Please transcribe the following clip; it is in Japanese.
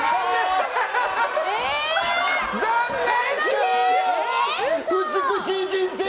残念！